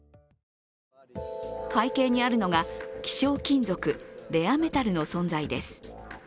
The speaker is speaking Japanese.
背景にあるのが希少金属、レアメタルの存在です。